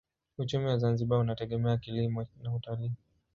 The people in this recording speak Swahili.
Uchumi wa Zanzibar unategemea kilimo na utalii.